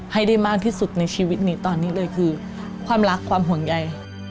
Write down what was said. ให้ได้มากที่สุดในชีวิตนี้ตอนนี้เลยคือความรักความห่วงใย